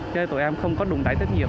cho nên tụi em không có đụng đẩy tích nhiệm